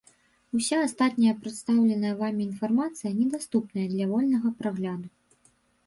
Уся астатняя прадстаўленая вамі інфармацыя недаступная для вольнага прагляду.